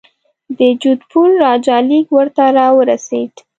د جودپور راجا لیک ورته را ورسېد.